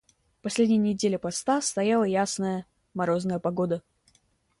Последние недели поста стояла ясная, морозная погода.